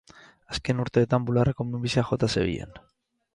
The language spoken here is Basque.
Azken urteetan bularreko minbiziak jota zebilen.